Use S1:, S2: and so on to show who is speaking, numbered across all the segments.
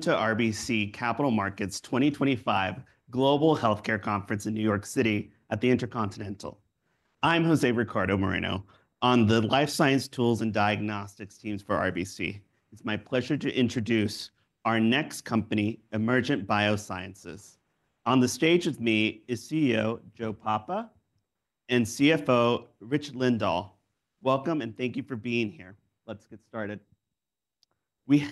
S1: To RBC Capital Markets' 2025 Global Healthcare Conference in New York City at the InterContinental. I'm Jose Ricardo Moreno on the Life Science Tools and Diagnostics teams for RBC. It's my pleasure to introduce our next company, Emergent BioSolutions. On the stage with me is CEO Joe Papa and CFO Richard Lindahl. Welcome, and thank you for being here. Let's get started. You're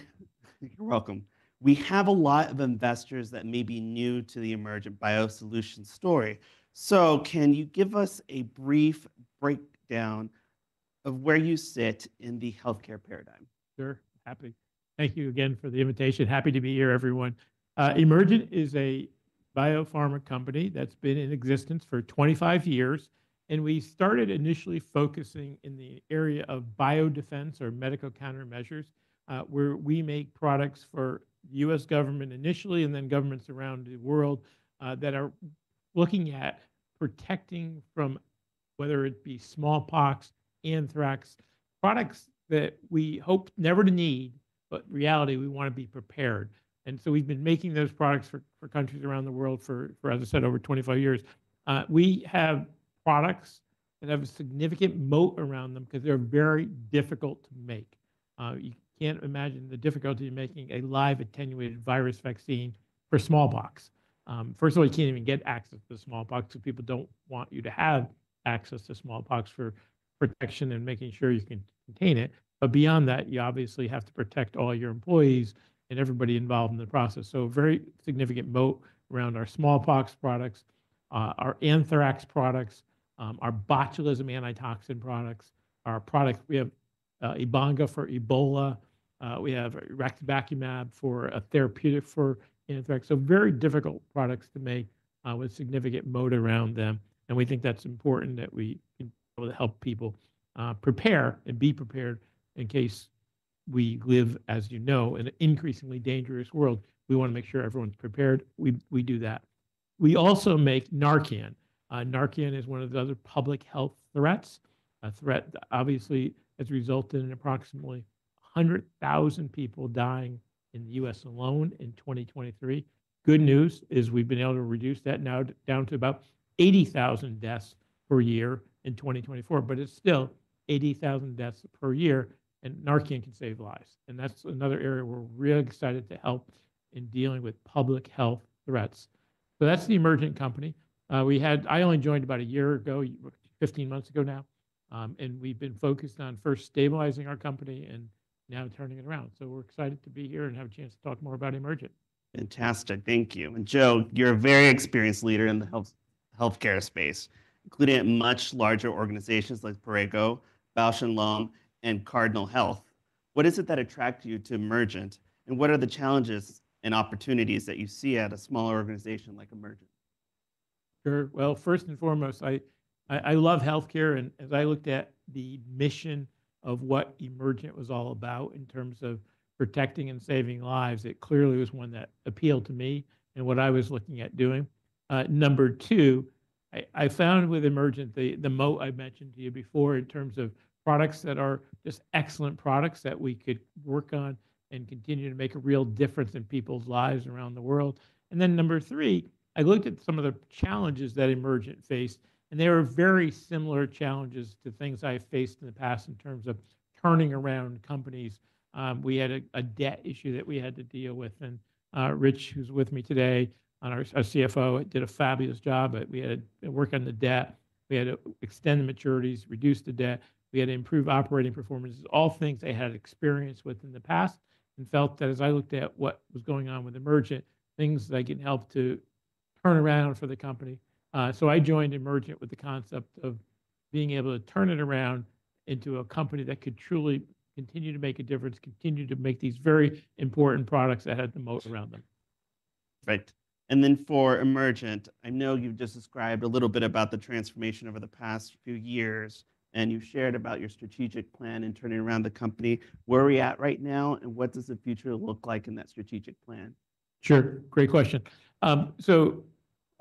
S1: welcome. We have a lot of investors that may be new to the Emergent BioSolutions story. So can you give us a brief breakdown of where you sit in the healthcare paradigm?
S2: Sure. Happy. Thank you again for the invitation. Happy to be here, everyone. Emergent is a biopharma company that's been in existence for 25 years. We started initially focusing in the area of biodefense or medical countermeasures, where we make products for the U.S. government initially and then governments around the world that are looking at protecting from whether it be smallpox, anthrax, products that we hope never to need, but reality we want to be prepared. We have been making those products for countries around the world for, as I said, over 25 years. We have products that have a significant moat around them because they're very difficult to make. You can't imagine the difficulty of making a live attenuated virus vaccine for smallpox. First of all, you can't even get access to the smallpox, so people don't want you to have access to smallpox for protection and making sure you can contain it. Beyond that, you obviously have to protect all your employees and everybody involved in the process. A very significant moat around our smallpox products, our anthrax products, our botulism antitoxin products, our products. We have Ebanga for Ebola, we have raxibacumab for a therapeutic for anthrax. Very difficult products to make with a significant moat around them. We think that's important that we can help people prepare and be prepared in case we live, as you know, in an increasingly dangerous world. We want to make sure everyone's prepared. We do that. We also make Narcan. Narcan is one of the other public health threats. A threat, obviously, has resulted in approximately 100,000 people dying in the U.S. alone in 2023. Good news is we've been able to reduce that now down to about 80,000 deaths per year in 2024, but it's still 80,000 deaths per year. Narcan can save lives. That's another area we're really excited to help in dealing with public health threats. That's the Emergent company. I only joined about a year ago, 15 months ago now, and we've been focused on first stabilizing our company and now turning it around. We're excited to be here and have a chance to talk more about Emergent.
S1: Fantastic. Thank you. Joe, you're a very experienced leader in the healthcare space, including at much larger organizations like Parago, Bausch & Lomb, and Cardinal Health. What is it that attracted you to Emergent, and what are the challenges and opportunities that you see at a smaller organization like Emergent?
S2: Sure. First and foremost, I love healthcare. As I looked at the mission of what Emergent was all about in terms of protecting and saving lives, it clearly was one that appealed to me and what I was looking at doing. Number two, I found with Emergent the moat I mentioned to you before in terms of products that are just excellent products that we could work on and continue to make a real difference in people's lives around the world. Number three, I looked at some of the challenges that Emergent faced, and they were very similar challenges to things I faced in the past in terms of turning around companies. We had a debt issue that we had to deal with. Rich, who's with me today, our CFO, did a fabulous job. We had to work on the debt. We had to extend the maturities, reduce the debt. We had to improve operating performances, all things they had experience with in the past and felt that as I looked at what was going on with Emergent, things that I can help to turn around for the company. I joined Emergent with the concept of being able to turn it around into a company that could truly continue to make a difference, continue to make these very important products that had the moat around them.
S1: Great. For Emergent, I know you've just described a little bit about the transformation over the past few years, and you've shared about your strategic plan in turning around the company. Where are we at right now, and what does the future look like in that strategic plan?
S2: Sure. Great question.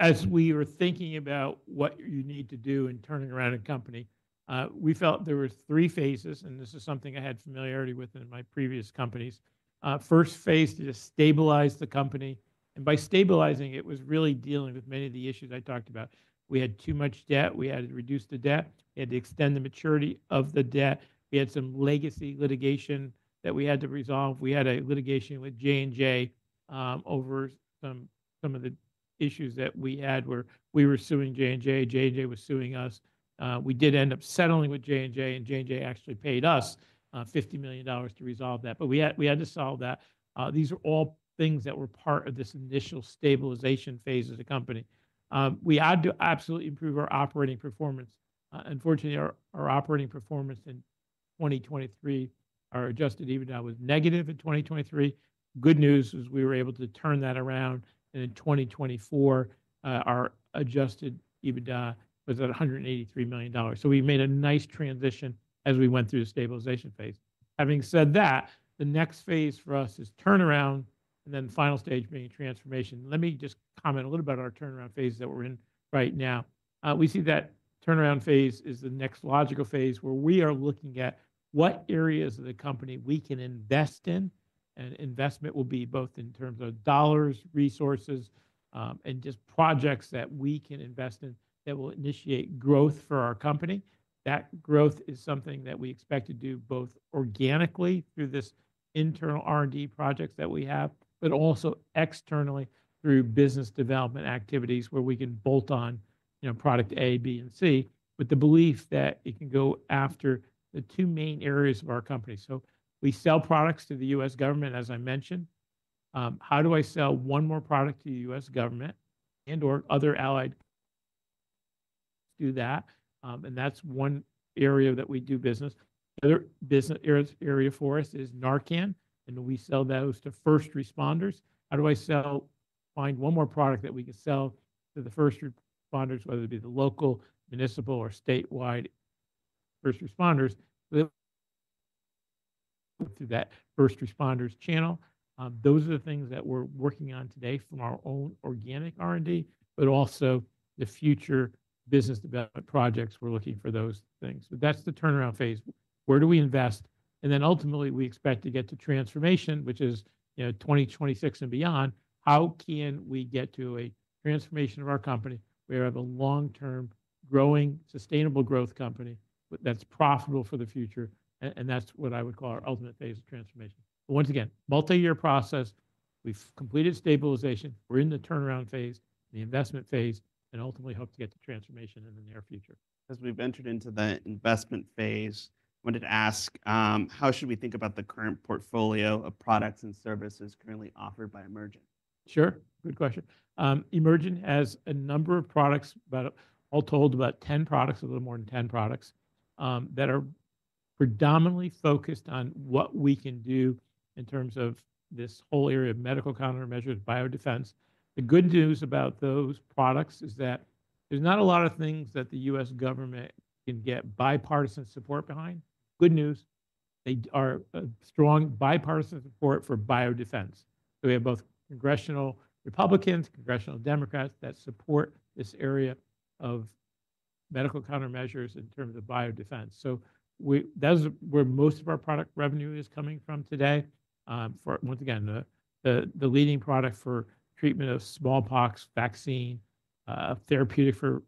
S2: As we were thinking about what you need to do in turning around a company, we felt there were three phases, and this is something I had familiarity with in my previous companies. First phase to stabilize the company. By stabilizing, it was really dealing with many of the issues I talked about. We had too much debt. We had to reduce the debt. We had to extend the maturity of the debt. We had some legacy litigation that we had to resolve. We had a litigation with J&J over some of the issues that we had where we were suing J&J. J&J was suing us. We did end up settling with J&J, and J&J actually paid us $50 million to resolve that. We had to solve that. These are all things that were part of this initial stabilization phase as a company. We had to absolutely improve our operating performance. Unfortunately, our operating performance in 2023, our adjusted EBITDA was negative in 2023. The good news is we were able to turn that around. In 2024, our adjusted EBITDA was at $183 million. We made a nice transition as we went through the stabilization phase. Having said that, the next phase for us is turnaround, and then the final stage being transformation. Let me just comment a little bit on our turnaround phase that we're in right now. We see that turnaround phase is the next logical phase where we are looking at what areas of the company we can invest in. Investment will be both in terms of dollars, resources, and just projects that we can invest in that will initiate growth for our company. That growth is something that we expect to do both organically through this internal R&D projects that we have, but also externally through business development activities where we can bolt on product A, B, and C with the belief that it can go after the two main areas of our company. We sell products to the U.S. government, as I mentioned. How do I sell one more product to the U.S. government and/or other allied countries? Let's do that. That is one area that we do business. The other business area for us is Narcan, and we sell those to first responders. How do I find one more product that we can sell to the first responders, whether it be the local, municipal, or statewide first responders? Through that first responders channel. Those are the things that we're working on today from our own organic R&D, but also the future business development projects. We're looking for those things. That's the turnaround phase. Where do we invest? Ultimately, we expect to get to transformation, which is 2026 and beyond. How can we get to a transformation of our company where we have a long-term growing, sustainable growth company that's profitable for the future? That's what I would call our ultimate phase of transformation. Once again, multi-year process. We've completed stabilization. We're in the turnaround phase, the investment phase, and ultimately hope to get to transformation in the near future.
S1: As we've entered into the investment phase, I wanted to ask, how should we think about the current portfolio of products and services currently offered by Emergent?
S2: Sure. Good question. Emergent has a number of products, all told about 10 products, a little more than 10 products that are predominantly focused on what we can do in terms of this whole area of medical countermeasures, biodefense. The good news about those products is that there's not a lot of things that the U.S. government can get bipartisan support behind. Good news, there is strong bipartisan support for biodefense. We have both congressional Republicans, congressional Democrats that support this area of medical countermeasures in terms of biodefense. That's where most of our product revenue is coming from today. Once again, the leading product for treatment of smallpox vaccine, therapeutic for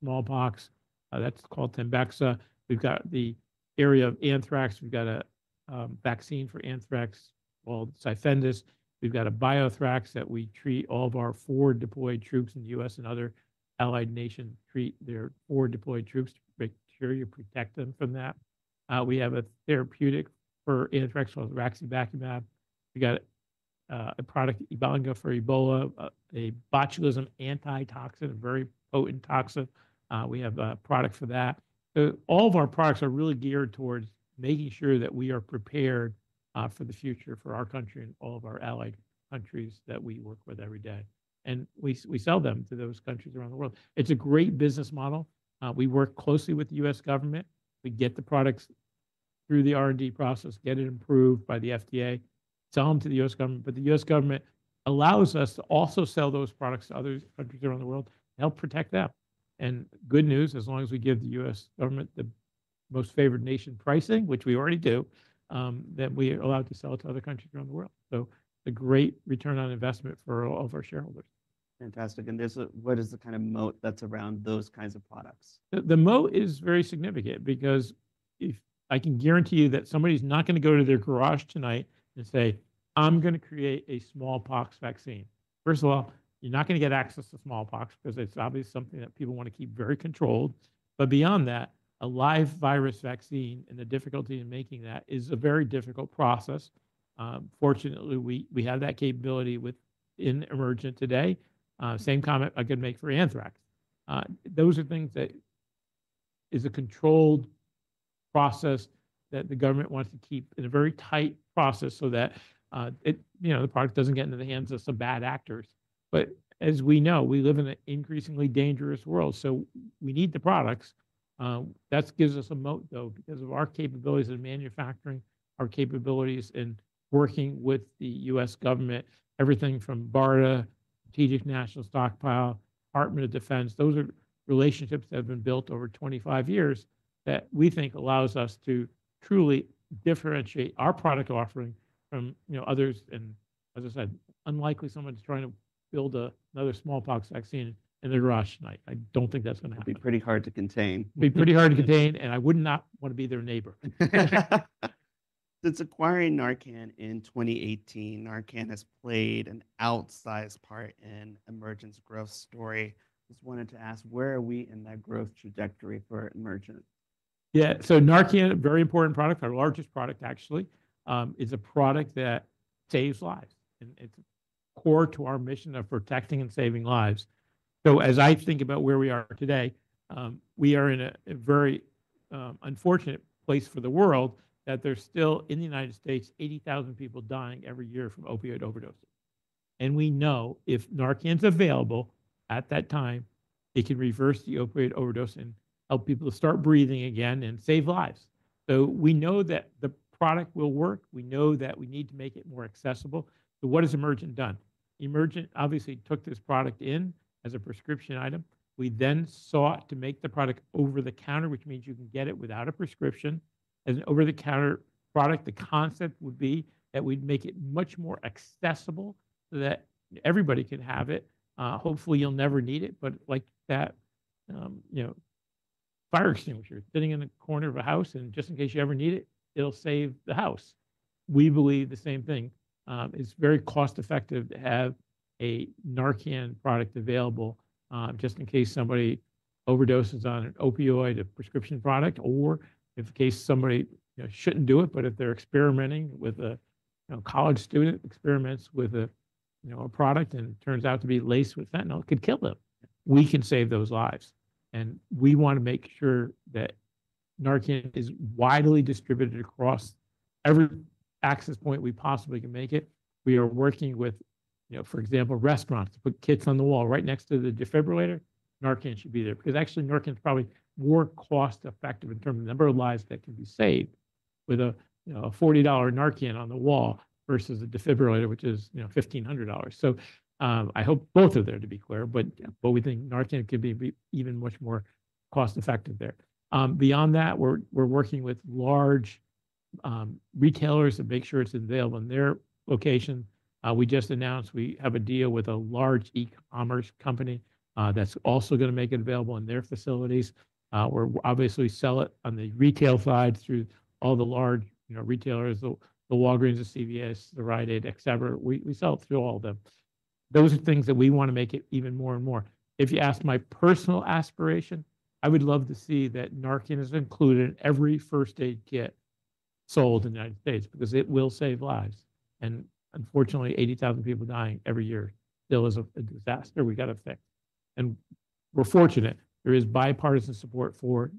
S2: smallpox, that's called Tembexa. We've got the area of anthrax. We've got a vaccine for anthrax called CYFENDUS. We've got BioThrax that we treat all of our forward deployed troops in the U.S. and other allied nations treat their forward deployed troops to bacteria protect them from that. We have a therapeutic for anthrax called Raxibacumab. We've got a product, Ebanga for Ebola, a botulism anti-toxin, a very potent toxin. We have a product for that. All of our products are really geared towards making sure that we are prepared for the future for our country and all of our allied countries that we work with every day. We sell them to those countries around the world. It's a great business model. We work closely with the U.S. government. We get the products through the R&D process, get it approved by the FDA, sell them to the U.S. government. The U.S. government allows us to also sell those products to other countries around the world to help protect them. Good news, as long as we give the U.S. government the most favored nation pricing, which we already do, then we are allowed to sell it to other countries around the world. A great return on investment for all of our shareholders.
S1: Fantastic. What is the kind of moat that's around those kinds of products?
S2: The moat is very significant because I can guarantee you that somebody's not going to go to their garage tonight and say, "I'm going to create a smallpox vaccine." First of all, you're not going to get access to smallpox because it's obviously something that people want to keep very controlled. Beyond that, a live virus vaccine and the difficulty in making that is a very difficult process. Fortunately, we have that capability within Emergent today. Same comment I could make for anthrax. Those are things that is a controlled process that the government wants to keep in a very tight process so that the product doesn't get into the hands of some bad actors. As we know, we live in an increasingly dangerous world. We need the products. That gives us a moat, though, because of our capabilities in manufacturing, our capabilities in working with the U.S. government, everything from BARDA, Strategic National Stockpile, Department of Defense. Those are relationships that have been built over 25 years that we think allows us to truly differentiate our product offering from others. As I said, unlikely someone's trying to build another smallpox vaccine in their garage tonight. I don't think that's going to happen.
S1: It'd be pretty hard to contain.
S2: It'd be pretty hard to contain, and I would not want to be their neighbor.
S1: Since acquiring Narcan in 2018, Narcan has played an outsized part in Emergent's growth story. Just wanted to ask, where are we in that growth trajectory for Emergent?
S2: Yeah. Narcan, a very important product, our largest product, actually, is a product that saves lives. It is core to our mission of protecting and saving lives. As I think about where we are today, we are in a very unfortunate place for the world that there are still in the United States 80,000 people dying every year from opioid overdoses. We know if Narcan is available at that time, it can reverse the opioid overdose and help people to start breathing again and save lives. We know that the product will work. We know that we need to make it more accessible. What has Emergent done? Emergent obviously took this product in as a prescription item. We then sought to make the product over-the-counter, which means you can get it without a prescription. As an over-the-counter product, the concept would be that we'd make it much more accessible so that everybody can have it. Hopefully, you'll never need it, but like that fire extinguisher sitting in the corner of a house, just in case you ever need it, it'll save the house. We believe the same thing. It's very cost-effective to have a Narcan product available just in case somebody overdoses on an opioid, a prescription product, or in case somebody shouldn't do it, but if they're experimenting, if a college student experiments with a product and it turns out to be laced with fentanyl, it could kill them. We can save those lives. We want to make sure that Narcan is widely distributed across every access point we possibly can make it. We are working with, for example, restaurants to put kits on the wall right next to the defibrillator. Narcan should be there because actually Narcan's probably more cost-effective in terms of the number of lives that can be saved with a $40 Narcan on the wall versus a defibrillator, which is $1,500. I hope both are there to be clear, but we think Narcan could be even much more cost-effective there. Beyond that, we're working with large retailers to make sure it's available in their location. We just announced we have a deal with a large e-commerce company that's also going to make it available in their facilities. We're obviously selling it on the retail side through all the large retailers, the Walgreens, the CVS, the Rite Aid, etc. We sell it through all of them. Those are things that we want to make it even more and more. If you ask my personal aspiration, I would love to see that Narcan is included in every first-aid kit sold in the United States because it will save lives. Unfortunately, 80,000 people dying every year still is a disaster we got to fix. We're fortunate. There is bipartisan support for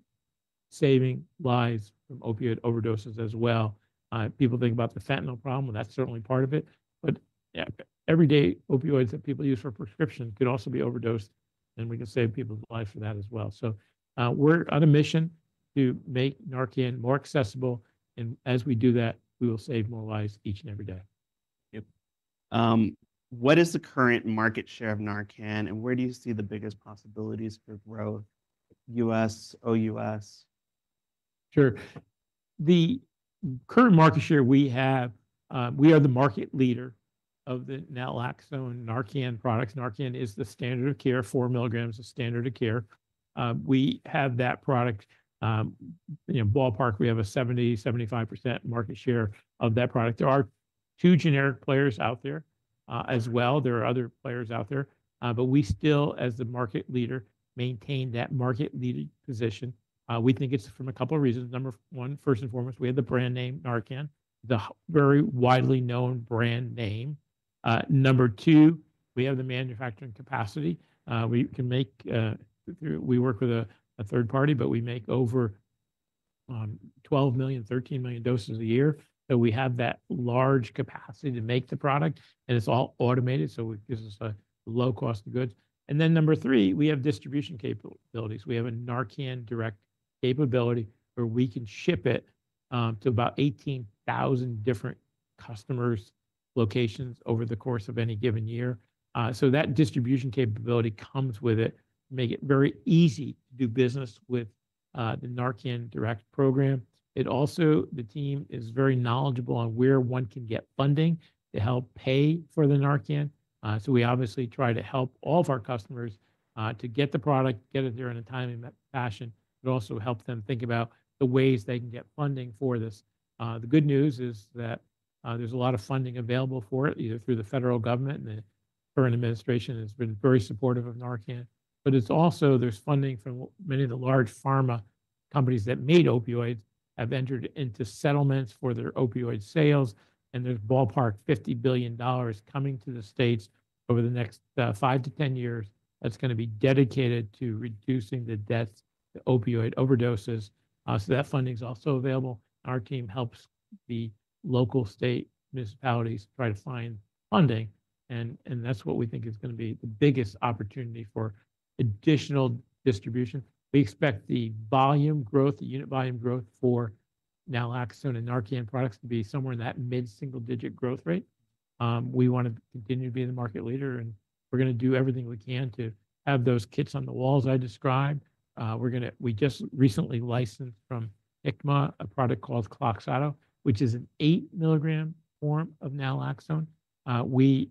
S2: saving lives from opioid overdoses as well. People think about the fentanyl problem. That's certainly part of it. Everyday opioids that people use for prescriptions could also be overdosed, and we can save people's lives for that as well. We're on a mission to make Narcan more accessible. As we do that, we will save more lives each and every day.
S1: Yep. What is the current market share of Narcan, and where do you see the biggest possibilities for growth? U.S., OUS?
S2: Sure. The current market share we have, we are the market leader of the naloxone Narcan products. Narcan is the standard of care, 4 mg of standard of care. We have that product. Ballpark, we have a 70-75% market share of that product. There are two generic players out there as well. There are other players out there. We still, as the market leader, maintain that market-lead position. We think it's from a couple of reasons. Number one, first and foremost, we have the brand name Narcan, the very widely known brand name. Number two, we have the manufacturing capacity. We work with a third party, but we make over 12 million-13 million doses a year. We have that large capacity to make the product, and it's all automated, so it gives us a low cost of goods. Number three, we have distribution capabilities. We have a Narcan direct capability where we can ship it to about 18,000 different customers' locations over the course of any given year. That distribution capability comes with it to make it very easy to do business with the Narcan direct program. The team is very knowledgeable on where one can get funding to help pay for the Narcan. We obviously try to help all of our customers to get the product, get it there in a timely fashion, but also help them think about the ways they can get funding for this. The good news is that there is a lot of funding available for it, either through the federal government and the current administration has been very supportive of Narcan. There is also funding from many of the large pharma companies that made opioids and have entered into settlements for their opioid sales. There is ballpark $50 billion coming to the states over the next five-10 years that is going to be dedicated to reducing the deaths to opioid overdoses. That funding is also available. Our team helps the local, state, municipalities try to find funding. That is what we think is going to be the biggest opportunity for additional distribution. We expect the volume growth, the unit volume growth for naloxone and Narcan products to be somewhere in that mid-single-digit growth rate. We want to continue to be the market leader, and we are going to do everything we can to have those kits on the walls I described. We just recently licensed from ICMA a product called Kloxxado, which is an 8 mg form of naloxone. We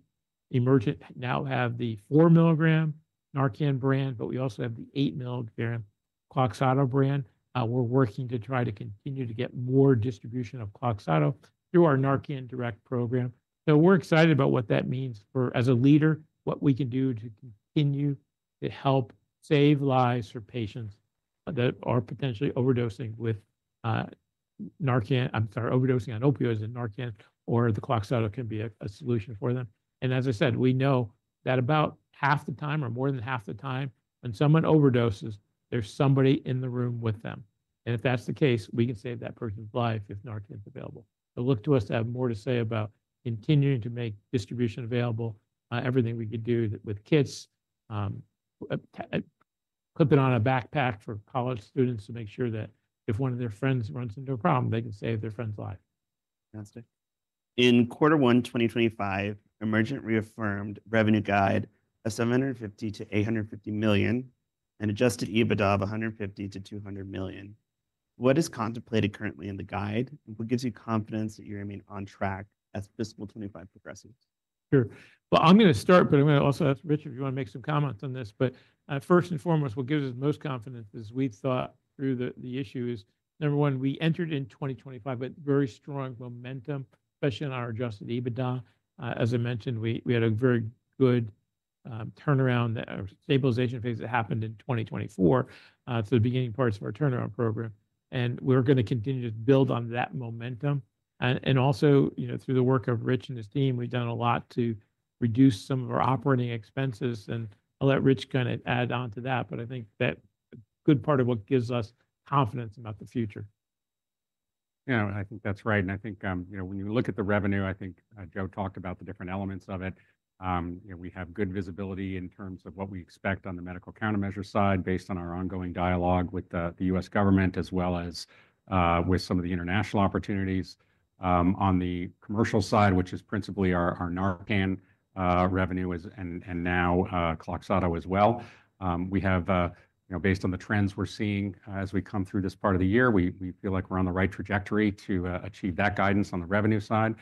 S2: Emergent now have the 4 mg Narcan brand, but we also have the 8 milligram Kloxxado brand. We're working to try to continue to get more distribution of Kloxxado through our Narcan direct program. We are excited about what that means for, as a leader, what we can do to continue to help save lives for patients that are potentially overdosing with Narcan, I'm sorry, overdosing on opioids, and Narcan or the Kloxxado can be a solution for them. As I said, we know that about half the time or more than half the time when someone overdoses, there is somebody in the room with them. If that is the case, we can save that person's life if Narcan is available. Look to us to have more to say about continuing to make distribution available, everything we can do with kits, clip it on a backpack for college students to make sure that if one of their friends runs into a problem, they can save their friend's life.
S1: Fantastic. In quarter one, 2025, Emergent reaffirmed revenue guide of $750 million-$850 million and adjusted EBITDA of $150 million-$200 million. What is contemplated currently in the guide? What gives you confidence that you remain on track as Fiscal 2025 progresses?
S2: Sure. I'm going to start, but I'm going to also ask Richard if you want to make some comments on this. First and foremost, what gives us most confidence, as we thought through the issue, is number one, we entered in 2025 with very strong momentum, especially on our adjusted EBITDA. As I mentioned, we had a very good turnaround stabilization phase that happened in 2024 to the beginning parts of our turnaround program. We're going to continue to build on that momentum. Also, through the work of Rich and his team, we've done a lot to reduce some of our operating expenses. I'll let Rich kind of add on to that, but I think that a good part of what gives us confidence about the future.
S3: Yeah, I think that's right. I think when you look at the revenue, I think Joe talked about the different elements of it. We have good visibility in terms of what we expect on the medical countermeasure side based on our ongoing dialogue with the U.S. government as well as with some of the international opportunities. On the commercial side, which is principally our Narcan revenue and now Kloxxado as well, we have, based on the trends we're seeing as we come through this part of the year, we feel like we're on the right trajectory to achieve that guidance on the revenue side.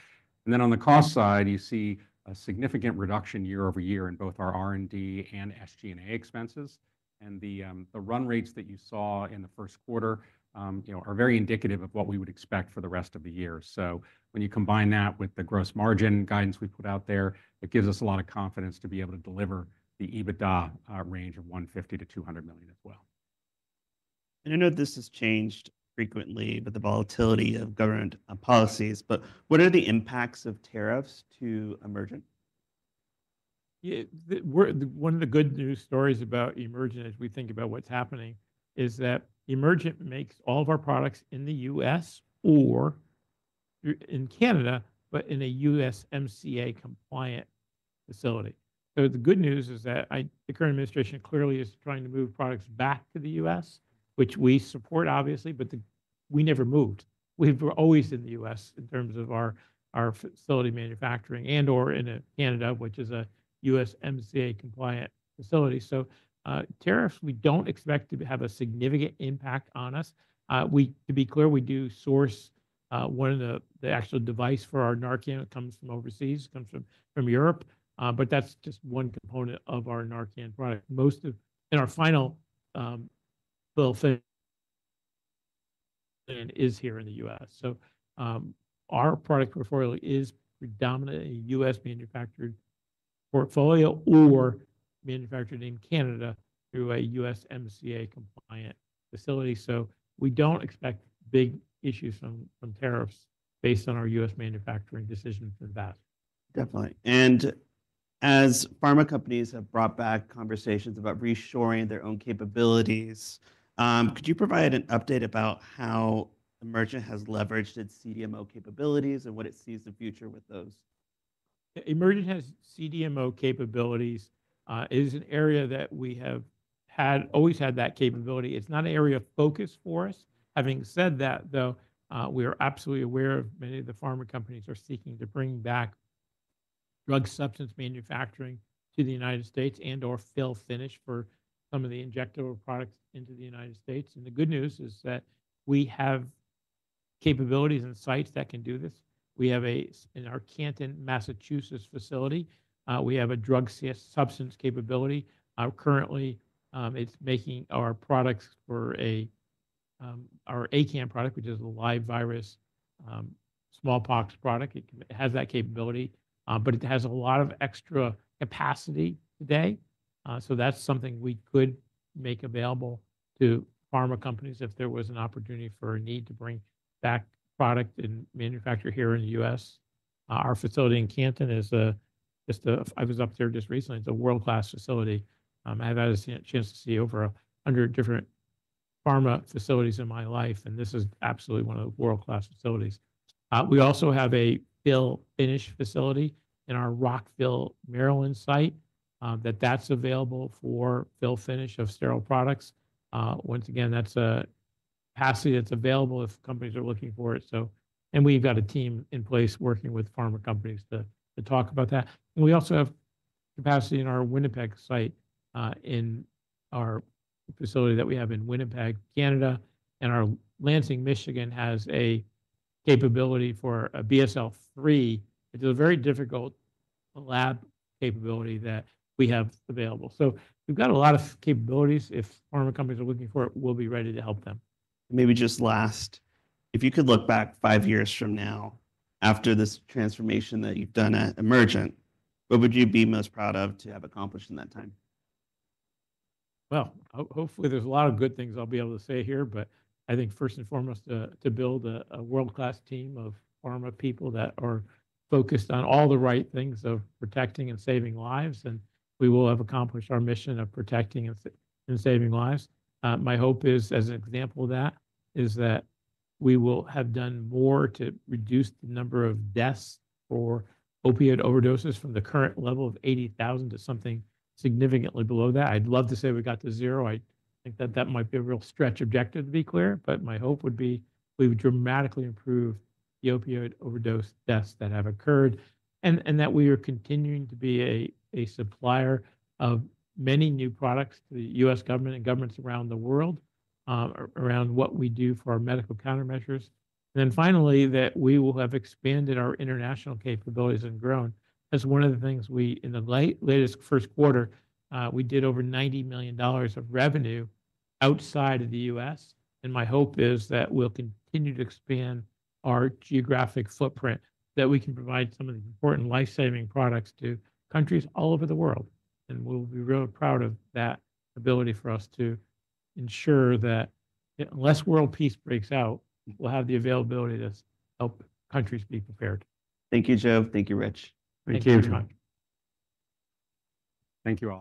S3: On the cost side, you see a significant reduction year over year in both our R&D and SG&A expenses. The run rates that you saw in the first quarter are very indicative of what we would expect for the rest of the year. When you combine that with the gross margin guidance we put out there, it gives us a lot of confidence to be able to deliver the EBITDA range of $150 million-$200 million as well.
S1: I know this has changed frequently with the volatility of government policies, but what are the impacts of tariffs to Emergent?
S2: Yeah, one of the good news stories about Emergent as we think about what's happening is that Emergent makes all of our products in the U.S. or in Canada, but in a USMCA compliant facility. The good news is that the current administration clearly is trying to move products back to the U.S., which we support, obviously, but we never moved. We've always been in the U.S. in terms of our facility manufacturing and/or in Canada, which is a USMCA compliant facility. Tariffs, we don't expect to have a significant impact on us. To be clear, we do source one of the actual devices for our Narcan. It comes from overseas, comes from Europe, but that's just one component of our Narcan product. Our final bill of fare is here in the U.S. Our product portfolio is predominantly U.S. manufactured portfolio or manufactured in Canada through a USMCA compliant facility. We do not expect big issues from tariffs based on our U.S. manufacturing decisions in the past.
S1: Definitely. As pharma companies have brought back conversations about reshoring their own capabilities, could you provide an update about how Emergent has leveraged its CDMO capabilities and what it sees the future with those?
S2: Emergent has CDMO capabilities. It is an area that we have always had that capability. It's not an area of focus for us. Having said that, though, we are absolutely aware of many of the pharma companies that are seeking to bring back drug substance manufacturing to the U.S. and/or fill finish for some of the injectable products into the U.S. The good news is that we have capabilities and sites that can do this. We have a, in our Canton, Massachusetts facility, we have a drug substance capability. Currently, it's making our products for our ACAM product, which is a live virus smallpox product. It has that capability, but it has a lot of extra capacity today. That is something we could make available to pharma companies if there was an opportunity for a need to bring back product and manufacture here in the U.S. Our facility in Canton is just a, I was up there just recently. It's a world-class facility. I've had a chance to see over 100 different pharma facilities in my life, and this is absolutely one of the world-class facilities. We also have a fill finish facility in our Rockville, Maryland site that is available for fill finish of sterile products. Once again, that's a capacity that's available if companies are looking for it. We've got a team in place working with pharma companies to talk about that. We also have capacity in our Winnipeg site in our facility that we have in Winnipeg, Canada. Our Lansing, Michigan has a capability for a BSL-3, which is a very difficult lab capability that we have available. We've got a lot of capabilities. If pharma companies are looking for it, we'll be ready to help them.
S1: Maybe just last, if you could look back five years from now after this transformation that you've done at Emergent, what would you be most proud of to have accomplished in that time?
S2: Hopefully, there's a lot of good things I'll be able to say here, but I think first and foremost to build a world-class team of pharma people that are focused on all the right things of protecting and saving lives. We will have accomplished our mission of protecting and saving lives. My hope is, as an example of that, is that we will have done more to reduce the number of deaths for opioid overdoses from the current level of 80,000 to something significantly below that. I'd love to say we got to zero. I think that that might be a real stretch objective to be clear, but my hope would be we've dramatically improved the opioid overdose deaths that have occurred and that we are continuing to be a supplier of many new products to the U.S. government and governments around the world around what we do for our medical countermeasures. Finally, that we will have expanded our international capabilities and grown. That's one of the things we, in the latest first quarter, we did over $90 million of revenue outside of the U.S. My hope is that we'll continue to expand our geographic footprint, that we can provide some of the important life-saving products to countries all over the world. We'll be really proud of that ability for us to ensure that unless world peace breaks out, we'll have the availability to help countries be prepared.
S1: Thank you, Joe. Thank you, Rich.
S2: Thank you.
S3: Thank you.